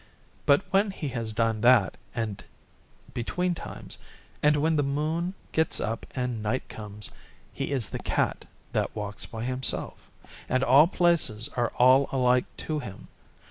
But when he has done that, and between times, and when the moon gets up and night comes, he is the Cat that walks by himself, and all places are alike to him.